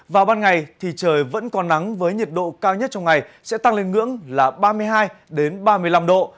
vào ban ngày thì trời vẫn còn nắng với nhiệt độ cao nhất trong ngày sẽ tăng lên ngưỡng là ba mươi hai ba mươi năm độ